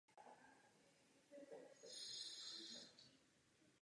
Odvaha a rozvážnost by vždy měly jít ruku v ruce.